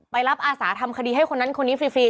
รับอาสาทำคดีให้คนนั้นคนนี้ฟรี